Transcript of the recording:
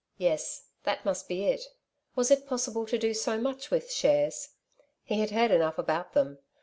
Yes, that must be it. Was it possible to do so much with shares? He had heard enough about them.